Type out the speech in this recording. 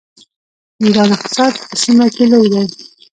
د ایران اقتصاد په سیمه کې لوی دی.